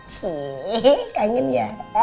ciee kangen ya